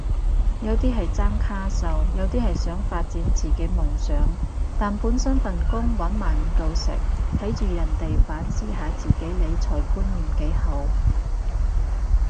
有啲係爭卡數，有啲係想發展自己夢想但本身份工搵埋唔夠食，睇住人哋反思下自己理財觀念幾好